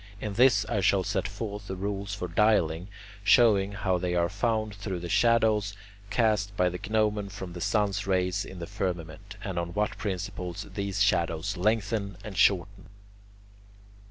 In this I shall set forth the rules for dialling, showing how they are found through the shadows cast by the gnomon from the sun's rays in the firmament, and on what principles these shadows lengthen and shorten.